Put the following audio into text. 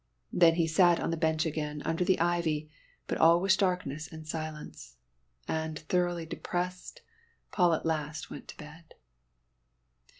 Then he sat on the bench again, under the ivy but all was darkness and silence; and thoroughly depressed, Paul at last went to bed.